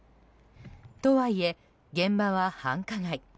とはいえ、現場は繁華街。